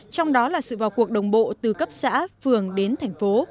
trong đó là sự vào cuộc đồng bộ từ cấp xã phường đến thành phố